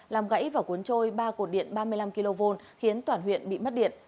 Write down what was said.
làm gãy và cuốn trôi ba cột điện ba mươi năm kv khiến toàn huyện bị mất điện